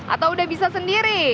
atau udah bisa sendiri